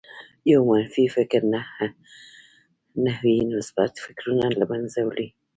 يو منفي فکر نهه نوي مثبت فکرونه لمنځه وړي